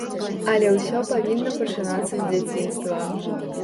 Але ўсё павінна пачынацца з дзяцінства.